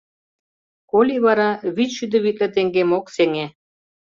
Коли вара вичшӱдӧ витле теҥгем ок сеҥе?